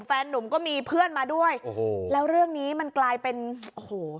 แฟนนุ่มก็มีเพื่อนมาด้วยโอ้โหแล้วเรื่องนี้มันกลายเป็นโอ้โห